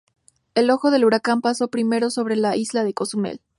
El ojo del huracán pasó primero sobre la isla de Cozumel.